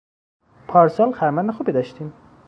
پارسال خرمن خوبی داشتیم.